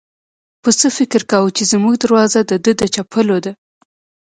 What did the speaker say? پسه فکر کاوه چې زموږ دروازه د ده د چپلو ده.